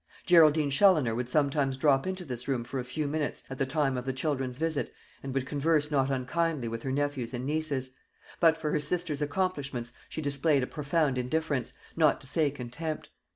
Geraldine Challoner would sometimes drop into this room for a few minutes at the time of the children's visit, and would converse not unkindly with her nephews and nieces; but for her sister's accomplishments she displayed a profound indifference, not to say contempt.